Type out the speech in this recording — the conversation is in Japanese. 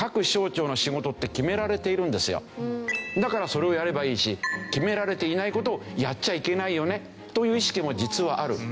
やっぱりこれはだからそれをやればいいし決められていない事をやっちゃいけないよねという意識も実はある。